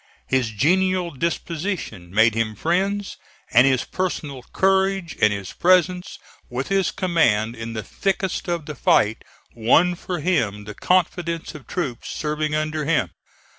His genial disposition made him friends, and his personal courage and his presence with his command in the thickest of the fight won for him the confidence of troops serving under him.